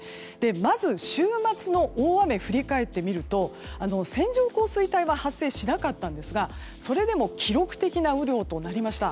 まず週末の大雨を振り返ってみると線状降水帯は発生しなかったんですがそれでも記録的な雨量となりました。